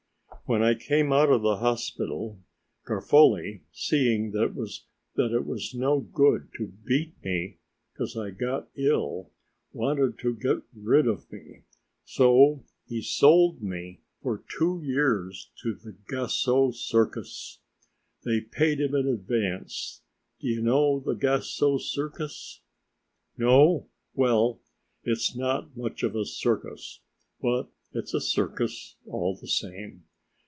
When I came out of the hospital, Garofoli, seeing that it was no good to beat me 'cause I got ill, wanted to get rid of me, so he sold me for two years to the Gassot Circus. They paid him in advance. D'ye know the Gassot Circus? No? Well, it's not much of a circus, but it's a circus all the same.